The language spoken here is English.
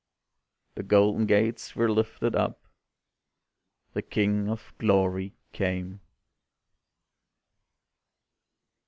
The golden gates were lifted up The King of Glory came.